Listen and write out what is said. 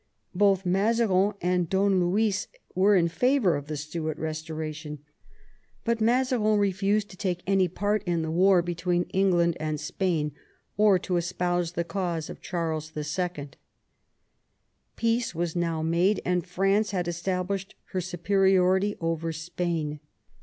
Both Mazarin and Don Luis were in favour of the Stuart restoration, but Mazarin refused to take any part in the war between England and Spain, or to espouse the cause of Charles II. Peace was now made, and France had established her superiority over Spain.